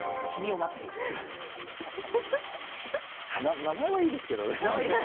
名前はいいですけどね。